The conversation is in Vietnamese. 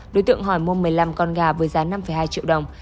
đối tượng hỏi mua một mươi năm con gà với giá năm hai triệu đồng